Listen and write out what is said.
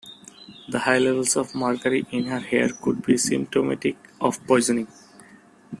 The high levels of mercury in her hair could be symptomatic of poisoning.